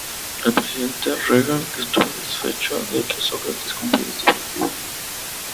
El presidente Reagan estuvo satisfecho de que Sócrates cumpliera este objetivo.